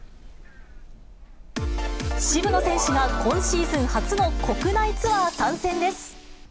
渋野選手が今シーズン初の国内ツアー参戦です。